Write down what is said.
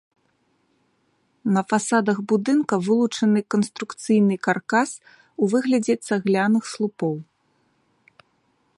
На фасадах будынка вылучаны канструкцыйны каркас у выглядзе цагляных слупоў.